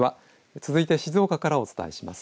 続いて静岡からお伝えします。